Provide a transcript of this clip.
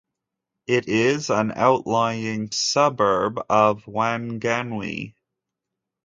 It is an outlying suburb of Whanganui.